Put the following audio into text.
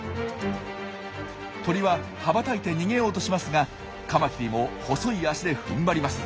鳥は羽ばたいて逃げようとしますがカマキリも細い脚で踏ん張ります。